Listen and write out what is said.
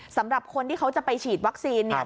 สำหรับคนที่เขาจะไปฉีดวัคซีนเนี่ย